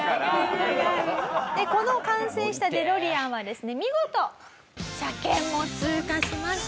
この完成したデロリアンはですね見事車検も通過しまして。